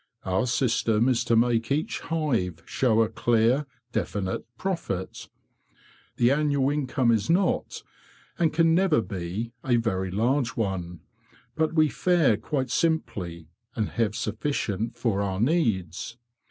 Our system is to make each hive show a clear, definite profit. The annual in come is not, and can never be, a very large one, but we fare quite simply, and have sufficient for our needs.